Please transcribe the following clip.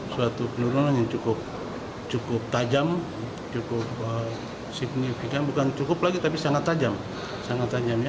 suatu penurunan yang cukup tajam cukup signifikan bukan cukup lagi tapi sangat tajamnya